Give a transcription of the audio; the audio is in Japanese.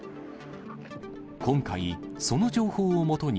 今回、その情報をもとに、